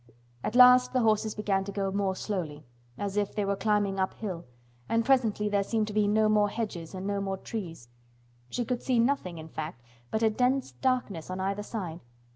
At last the horses began to go more slowly, as if they were climbing up hill, and presently there seemed to be no more hedges and no more trees. She could see nothing, in fact, but a dense darkness on either side.